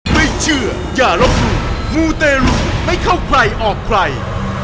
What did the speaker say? ไม่เชื่ออย่าลบหลู่มูเตรุไม่เข้าใครออกใคร